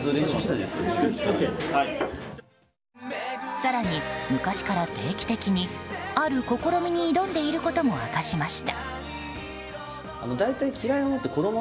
更に、昔から定期的にある試みに挑んでいることも明かしました。